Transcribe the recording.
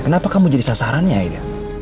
kenapa kamu jadi sasarannya aida